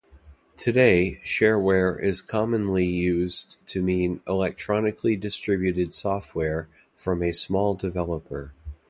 Today shareware is commonly used to mean electronically distributed software from a small developer.